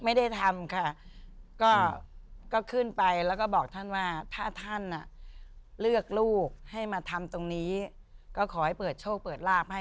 ไม่ได้ทำค่ะก็ขึ้นไปแล้วก็บอกท่านว่าถ้าท่านเลือกลูกให้มาทำตรงนี้ก็ขอให้เปิดโชคเปิดลาบให้